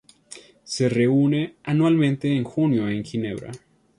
Se reúne anualmente, en junio, en Ginebra.